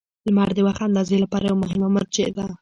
• لمر د وخت اندازې لپاره یوه مهمه مرجع ده.